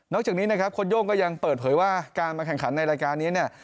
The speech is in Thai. จากนี้นะครับโค้โย่งก็ยังเปิดเผยว่าการมาแข่งขันในรายการนี้เนี่ย